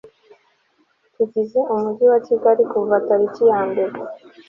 tugize umujyi wa kigali kuva tariki ya mbere